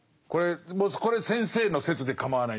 これ先生の説で構わないんですけど